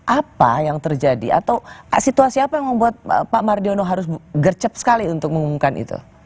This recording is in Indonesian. apa yang terjadi atau situasi apa yang membuat pak mardiono harus gercep sekali untuk mengumumkan itu